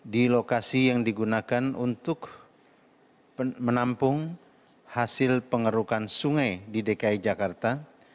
di lokasi yang digunakan untuk menampung hasil pengerukan sungai di dki jakarta